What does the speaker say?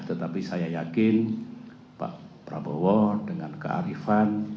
tetapi saya yakin pak prabowo dengan kearifan